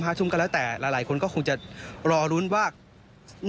ก็คุณต้องรู้ต้องได้ว่าคนแรกจะมาผ่านสามกัน